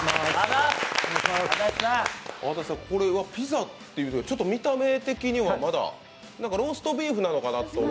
これはピザというより見た目的にはまだローストビーフなのかなと。